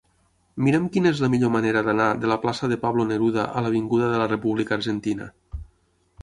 Mira'm quina és la millor manera d'anar de la plaça de Pablo Neruda a l'avinguda de la República Argentina.